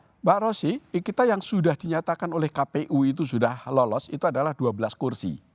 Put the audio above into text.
mbak rosy kita yang sudah dinyatakan oleh kpu itu sudah lolos itu adalah dua belas kursi